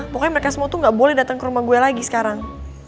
pokoknya mereka semua tuh gak boleh datang ke rumah gue lagi sekarang